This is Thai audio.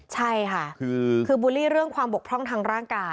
ใช่ค่ะคือบูลลี่เรื่องความบกพร่องทางร่างกาย